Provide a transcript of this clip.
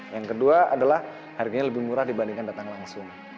yang kedua adalah harganya lebih murah dibandingkan datang langsung